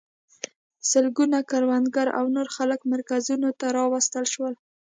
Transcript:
سلګونه کروندګر او نور خلک مرکزونو ته راوستل شول.